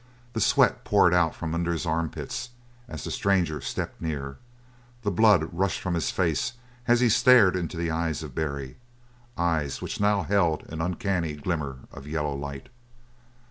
The sweat poured out from under his armpits as the stranger stepped near; the blood rushed from his face as he stared into the eyes of Barry eyes which now held an uncanny glimmer of yellow light.